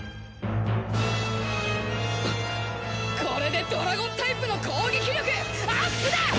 これでドラゴンタイプの攻撃力アップだ！